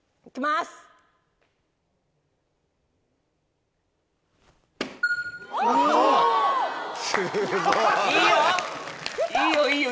すごい。